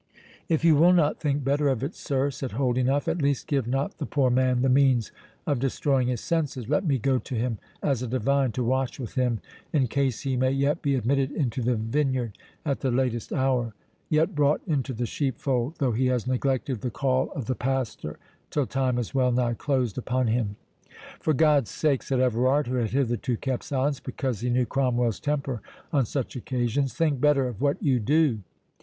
"If you will not think better of it, sir," said Holdenough, "at least give not the poor man the means of destroying his senses—Let me go to him as a divine, to watch with him, in case he may yet be admitted into the vineyard at the latest hour—yet brought into the sheepfold, though he has neglected the call of the pastor till time is wellnigh closed upon him." "For God's sake," said Everard, who had hitherto kept silence, because he knew Cromwell's temper on such occasions, "think better of what you do!"